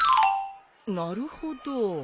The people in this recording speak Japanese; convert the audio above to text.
なるほど。